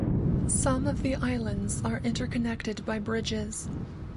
Some of the islands are interconnected by bridges.